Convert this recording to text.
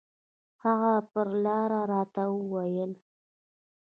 هغه پر لاره راته وويل.